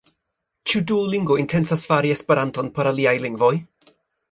Ĉu Duolingo intencas fari Esperanton por aliaj lingvoj?